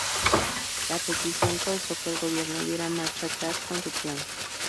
La petición causó que el gobierno diera marcha atrás con su plan.